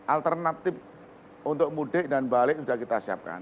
alternatif untuk mudik dan balik sudah kita siapkan